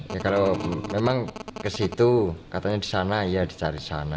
ya kalau memang ke situ katanya di sana ya dicari sana